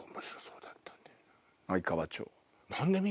愛川町。